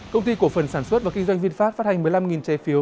công ty cổ phần sản xuất và kinh doanh vinfast phát hành một mươi năm trái phiếu